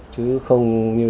chứ không như